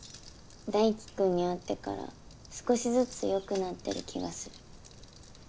大貴君に会ってから少しずつ良くなってる気がする。